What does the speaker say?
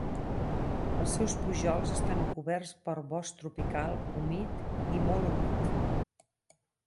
Els seus pujols estan coberts per bosc tropical humit i molt humit.